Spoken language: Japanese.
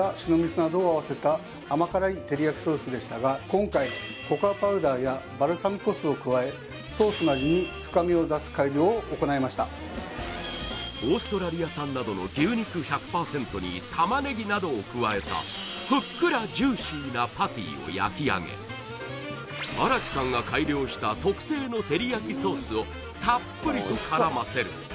今回ココアパウダーやバルサミコ酢を加えソースの味に深みを出す改良を行いましたオーストラリア産などの牛肉１００％に玉ねぎなどを加えたを焼き上げ荒木さんが改良したをたっぷりと絡ませる